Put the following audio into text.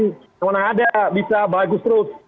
kewenangan ada bisa bagus terus